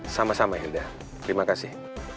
sama sama hilda terima kasih